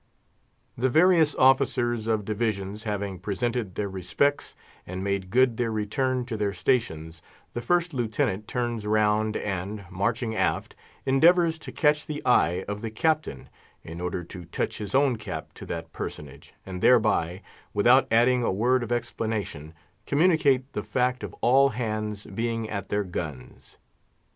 The various officers of divisions having presented their respects, and made good their return to their stations, the First Lieutenant turns round, and, marching aft, endeavours to catch the eye of the Captain, in order to touch his own cap to that personage, and thereby, without adding a word of explanation, communicate the fact of all hands being at their gun's.